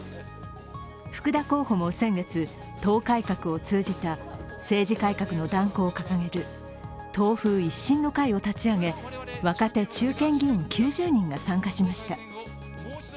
福田候補も先月、党改革を通じた政治改革の断行を掲げる党風一新の会を立ち上げ、若手・駐県議員９０人が参加しました。